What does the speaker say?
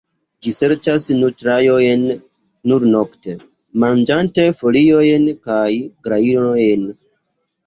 Ĝi serĉas nutraĵon nur nokte, manĝante foliojn kaj grajnojn.